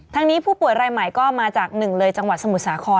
นี้ผู้ป่วยรายใหม่ก็มาจากหนึ่งเลยจังหวัดสมุทรสาคร